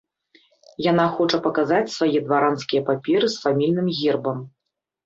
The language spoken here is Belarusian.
Яна хоча паказаць свае дваранскія паперы з фамільным гербам.